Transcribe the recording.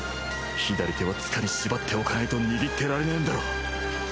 左手はつかに縛っておかないと握ってられねえんだろ